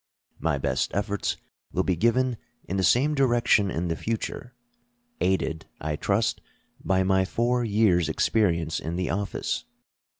My best efforts will be given in the same direction in the future, aided, I trust, by my four years' experience in the office.